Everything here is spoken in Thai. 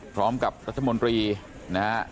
พร้อมกับรัฐมนตรีนะฮะ